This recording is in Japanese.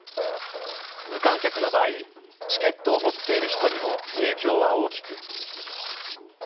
無観客の場合、チケットを持っている人にも影響は大きく。